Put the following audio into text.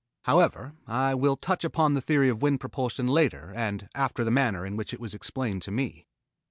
However, I will touch upon the theory of wind propulsion later and after the manner in which it was explained to me.